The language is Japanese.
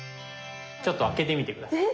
ちょっと開けてみて下さい。